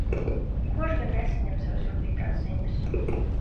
Un kurš gan nesaņem sev sūtītās ziņas?